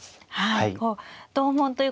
はい。